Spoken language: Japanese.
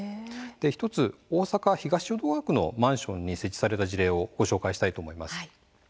１つ、大阪・東淀川区のマンションに設置された事例をご紹介したいと思います。